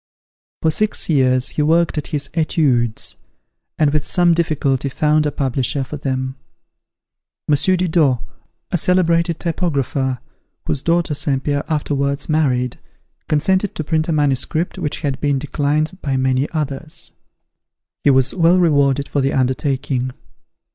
For six years, he worked at his "Etudes," and with some difficulty found a publisher for them. M. Didot, a celebrated typographer, whose daughter St. Pierre afterwards married, consented to print a manuscript which had been declined by many others. He was well rewarded for the undertaking.